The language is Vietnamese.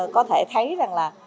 có thể thấy rằng là